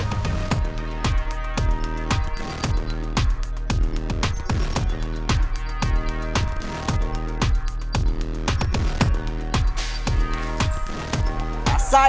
kamu jalan ke rumah jetzt